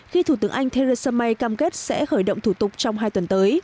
khi thủ tướng anh thedisame cam kết sẽ khởi động thủ tục trong hai tuần tới